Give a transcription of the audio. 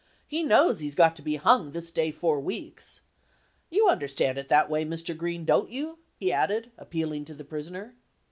Lie knows he 's got to be hung this day four weeks. You understand it that way, Mr. Green, don't you?" he added, appealing to the prisoner.